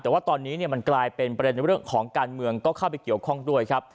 แต่ว่าตอนนี้มันกลายเป็นประเด็นในเรื่องของการเมืองก็เข้าไปเกี่ยวข้องด้วยครับ